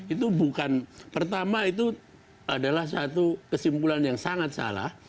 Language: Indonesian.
itu bukan pertama itu adalah satu kesimpulan yang sangat salah